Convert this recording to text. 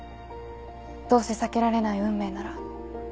どうせ避けられない運命なら。